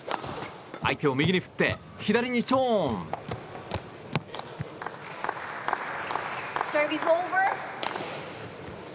相手を右に振って、左にちょん。